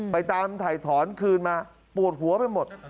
ไปตามถ่ายถอนคืนมาปวดหัวไปหมด